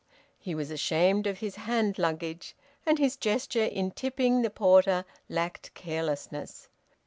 He was ashamed of his hand baggage, and his gesture in tipping the porter lacked carelessness.